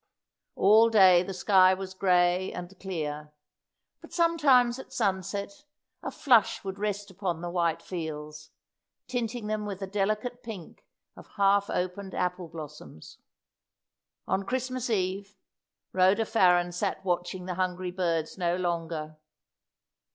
All day the sky was grey and clear; but sometimes at sunset, a flush would rest upon the white fields, tinting them with the delicate pink of half opened apple blossoms. On Christmas Eve, Rhoda Farren sat watching the hungry birds no longer.